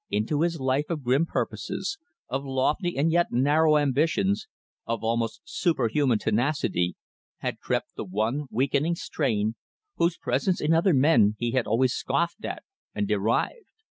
Into his life of grim purposes, of lofty and yet narrow ambitions, of almost superhuman tenacity, had crept the one weakening strain whose presence in other men he had always scoffed at and derived.